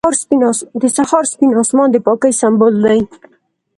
• د سهار سپین آسمان د پاکۍ سمبول دی.